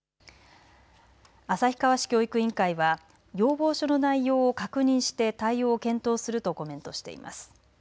旭川市教育委員会は要望書の内容を確認して対応を検討するとコメントしています。